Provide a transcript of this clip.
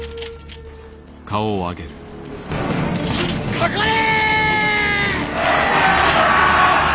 かかれ！